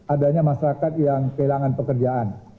adanya masyarakat yang kehilangan pekerjaan